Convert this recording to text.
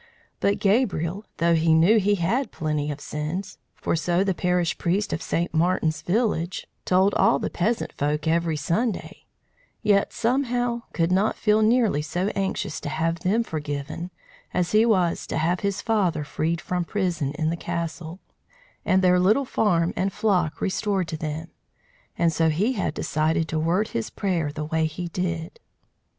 But Gabriel, though he knew he had plenty of sins, for so the parish priest of St. Martin's village told all the peasant folk every Sunday, yet somehow could not feel nearly so anxious to have them forgiven, as he was to have his father freed from prison in the castle, and their little farm and flock restored to them; and so he had decided to word his prayer the way he did.